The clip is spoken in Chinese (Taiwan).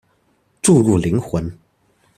注入靈魂